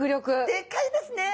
でっかいですね！